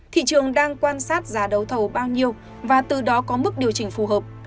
thị trường đang quan sát giá đấu thầu bao nhiêu và từ đó có mức điều chỉnh phù hợp